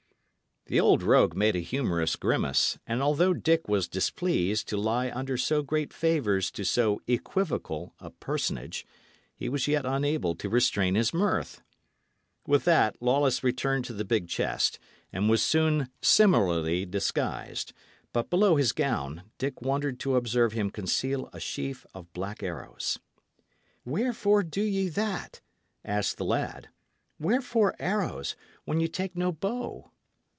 The old rogue made a humorous grimace; and although Dick was displeased to lie under so great favours to so equivocal a personage, he was yet unable to restrain his mirth. With that, Lawless returned to the big chest, and was soon similarly disguised; but, below his gown, Dick wondered to observe him conceal a sheaf of black arrows. "Wherefore do ye that?" asked the lad. "Wherefore arrows, when ye take no bow?"